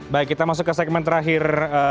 baik kita masuk ke segmen terakhir